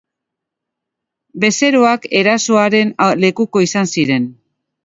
Bezeroak erasoaren lekuko izan ziren.